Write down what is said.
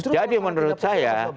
jadi menurut saya